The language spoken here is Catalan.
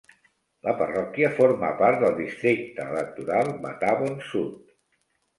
La parròquia forma part del districte electoral Bathavon Sud.